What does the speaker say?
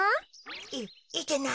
いいけない。